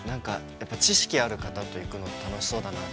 知識ある方と行くの、楽しそうだなと。